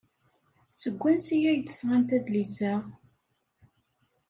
Seg wansi ay d-sɣant adlis-a?